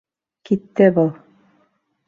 Китте был.